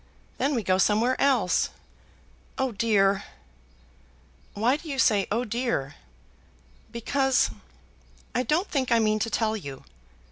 Then we go somewhere else. Oh dear!" "Why do you say 'oh dear'?" "Because ; I don't think I mean to tell you."